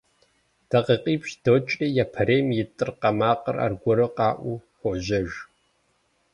ДакъикъипщӀ докӀри, япэрейм и тӀыркъэ макъыр аргуэру къэӀуу хуожьэж.